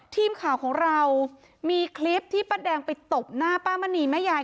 ทีมข่าวของเรามีคลิปที่ป้าแดงไปตบหน้าป้ามณีแม่ยาย